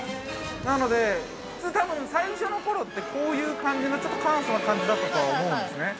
なので、多分最初のころってこういう感じのちょっと簡素な感じだったと思うんですね。